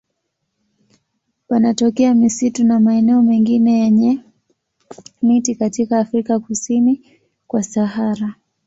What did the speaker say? Wanatokea misitu na maeneo mengine yenye miti katika Afrika kusini kwa Sahara.